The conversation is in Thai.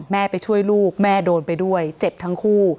ไปช่วยลูกแม่โดนไปด้วยเจ็บทั้งคู่